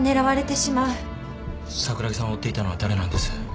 桜木さんを追っていたのは誰なんです？